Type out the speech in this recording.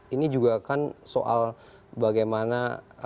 ini juga kan soal bagaimana